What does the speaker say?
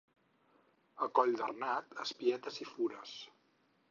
A Colldarnat, espietes i fures.